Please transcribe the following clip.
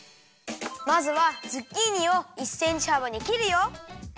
まずはズッキーニを１センチはばにきるよ。